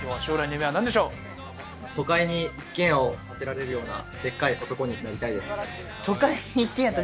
都会に１軒家を建てられるような、でっかい男になりたいです。